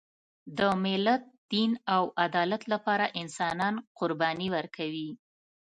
د ملت، دین او عدالت لپاره انسانان قرباني ورکوي.